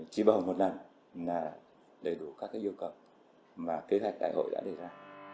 chỉ bầu một lần là đầy đủ các yêu cầu mà kế hoạch đại hội đã đề ra